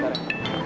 dada aja deh